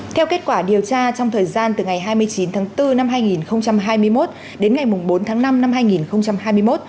theo kết quả điều tra trong thời gian từ ngày hai mươi chín tháng bốn năm hai nghìn hai mươi một đến ngày bốn tháng năm năm hai nghìn hai mươi một